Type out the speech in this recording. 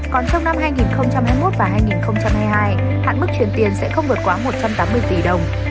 còn trong năm hai nghìn hai mươi một và hai nghìn hai mươi hai hạn mức chuyển tiền sẽ không vượt quá một trăm tám mươi tỷ đồng